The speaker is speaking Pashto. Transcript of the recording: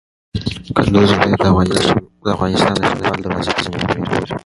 کندوز ولایت د افغانستان د شمال د دروازې په نوم یادیږي.